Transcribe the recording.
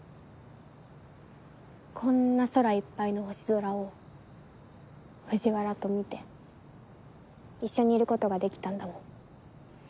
こんな空いっぱいの星空を藤原と見て一緒にいることができたんだもん。